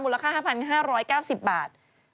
ค่า๕๕๙๐บาท